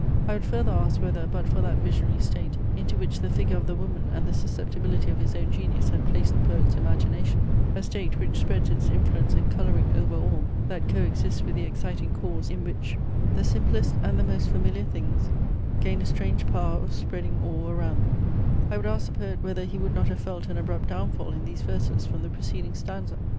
I would further ask whether, but for that visionary state, into which the figure of the woman and the susceptibility of his own genius had placed the poet's imagination, (a state, which spreads its influence and colouring over all, that co exists with the exciting cause, and in which "The simplest, and the most familiar things Gain a strange power of spreading awe around them,") I would ask the poet whether he would not have felt an abrupt downfall in these verses from the preceding stanza?